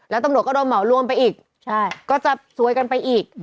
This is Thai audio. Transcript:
แล้วตำรวจก็โดนเหมารวมไปอีกก็จะซวยกันไปอีก